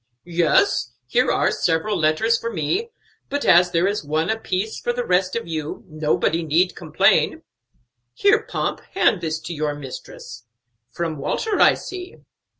"Yes, here are several letters for me; but as there is one apiece for the rest of you, nobody need complain. Here, Pomp, hand this to your mistress. From Walter, I see."